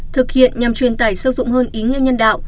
thực hiện nhằm truyền tải sâu rộng hơn ý nghĩa nhân đạo